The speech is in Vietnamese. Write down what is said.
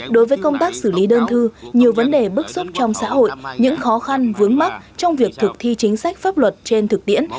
đối với công tác xử lý đơn thư nhiều vấn đề bức xúc trong xã hội những khó khăn vướng mắt trong việc thực thi chính sách pháp luật trên thực tiễn